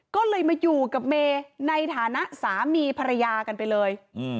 ก็เลยมาอยู่กับเมย์ในฐานะสามีภรรยากันไปเลย